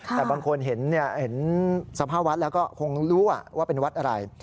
แต่บางคนเห็นสภาพวัดแล้วก็คงรู้ว่าเป็นวัดอะไร